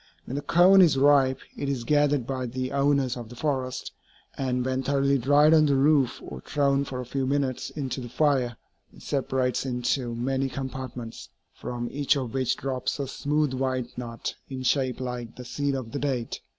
When the cone is ripe, it is gathered by the owners of the forest; and when thoroughly dried on the roof or thrown for a few minutes into the fire, it separates into many compartments, from each of which drops a smooth white nut in shape like the seed of the date.